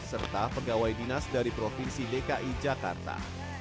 serta pegawai dinas dari provinsi dki jakarta